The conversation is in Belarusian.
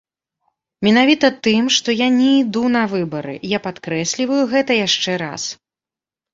Менавіта тым, што я не іду на выбары, я падкрэсліваю гэта яшчэ раз.